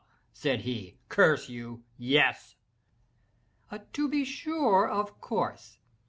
said he, "curse you! yes!" "To be sure—of course!